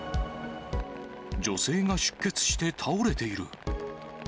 女性が出血して倒れている。